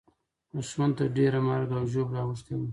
دښمن ته ډېره مرګ او ژوبله اوښتې وه.